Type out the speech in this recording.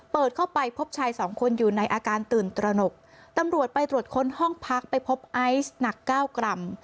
เปิดเข้าไปพบชายสองคนอยู่ในอาการตื่นตระหนกตำรวจไปตรวจค้นห้องพักไปพบไอซ์หนักเก้ากรัม